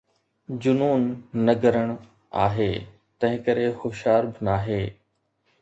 جنون نه گرڻ آهي، تنهنڪري هوشيار به ناهي